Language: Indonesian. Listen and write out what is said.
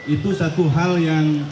itu satu hal yang